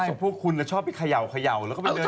ใช่พวกคุณชอบไปเขย่าแล้วก็ไปเดิน